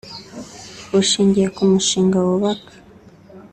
bushingiye ku mushinga wubaka